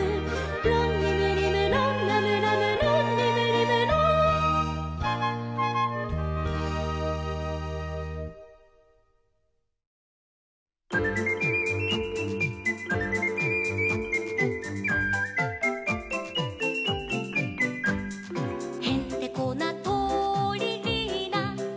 「ロンリムリムロンラムラムロンリムリムロン」「へんてこなとりリーナ」